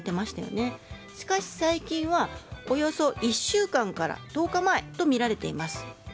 しかし最近は、およそ１週間から１０日前とみられています。